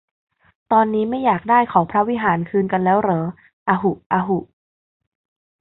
ตอนนี้ไม่อยากได้เขาพระวิหารคืนกันแล้วเหรอ อะหุ อะหุ